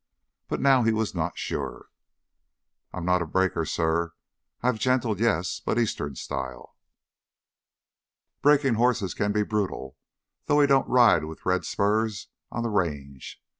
But now he was not sure. "I'm no breaker, suh. I've gentled, yes—but eastern style." "Breaking horses can be brutal, though we don't ride with red spurs on the Range.